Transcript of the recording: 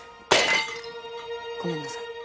ごめんなさい。